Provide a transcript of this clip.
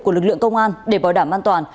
của lực lượng công an để bảo đảm an toàn